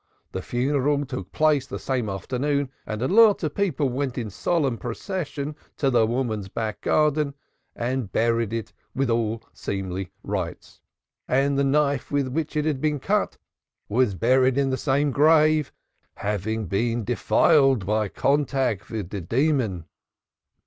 The funeral took place the same afternoon and a lot of people went in solemn procession to the woman's back garden and buried it with all seemly rites, and the knife with which it had been cut was buried in the same grave, having been defiled by contact with the demon.